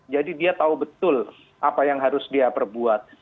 dia tahu betul apa yang harus dia perbuat